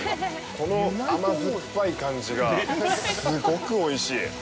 この甘酸っぱい感じがすごくおいしい。